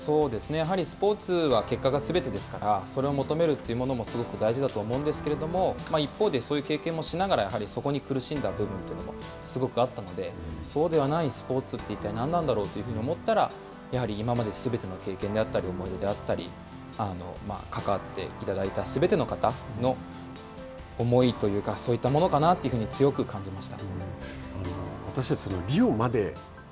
やはり、スポーツは結果がすべてですからそれを求めるというものもすごく大事だと思うんですけれども一方でそういう経験もしながらやはりそこに苦しんだ部分というのもすごくあったのでそうではないスポーツは一体、何だろうと思ったらやはり今まですべての経験であったり思い出であったりまあ関わっていただいたすべての方の思いというかそういったものかなというふうに強く感じました。